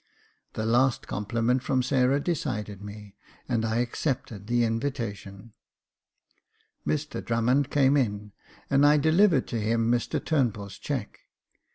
The last compliment from Sarah decided me, and I accepted the invitation. Mr Drummond came in, and I delivered to him Mr Turnbull's cheque.